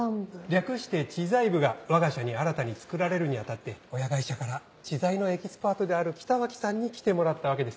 略して知財部がわが社に新たにつくられるに当たって親会社から知財のエキスパートである北脇さんに来てもらったわけです。